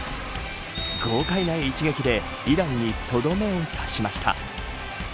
豪快な一撃でイランにとどめを刺しました。